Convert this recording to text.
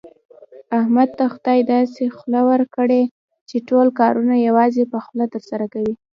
احمد ته خدای داسې خوله ورکړې، چې ټول کارونه یوازې په خوله ترسره کوي.